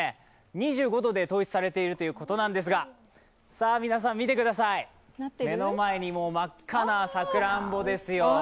２５度で統一されているということなんですが、皆さん、見てください、目の前に真っ赤なさくらんぼですよ。